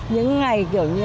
những ngày kiểu như